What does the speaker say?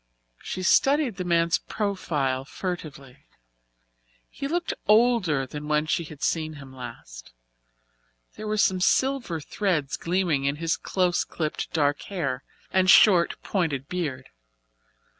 She studied the man's profile furtively. He looked older than when she had seen him last there were some silver threads gleaming in his close clipped dark hair and short, pointed beard.